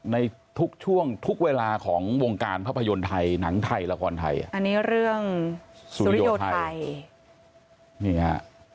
ในทุกช่วงทุกเวลาของวงการภาพยนตร์ไทยหนังไทยละครไทยอันนี้เรื่องศูนยไทยนี่ฮะ